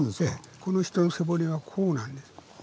この人の背骨はこうなんです。